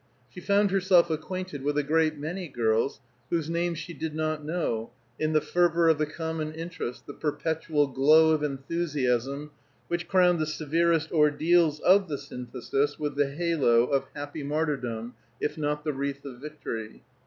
She found herself acquainted with a great many girls whose names she did not know, in the fervor of the common interest, the perpetual glow of enthusiasm which crowned the severest ordeals of the Synthesis with the halo of happy martyrdom if not the wreath of victory.